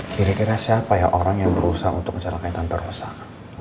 kira kira siapa ya orang yang berusaha untuk mencari kaitan terusak